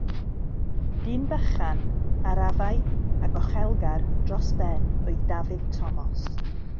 Dyn bychan, arafaidd a gochelgar dros ben oedd Dafydd Tomos.